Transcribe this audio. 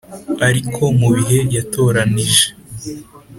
Ariko mu bihe yatoranije